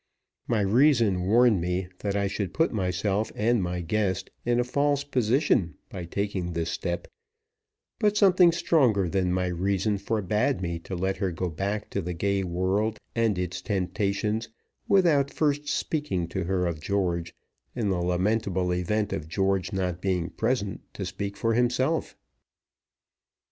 My reason warned me that I should put myself and my guest in a false position by taking this step, but something stronger than my reason forbade me to let her go back to the gay world and its temptations without first speaking to her of George in the lamentable event of George not being present to speak for himself.